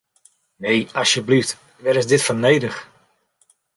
Nee, asjeblyft, wêr is dit foar nedich?